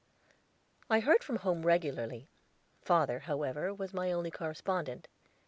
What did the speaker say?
I heard from home regularly; father, however, was my only correspondent.